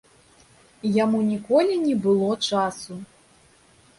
Яму ніколі не было часу.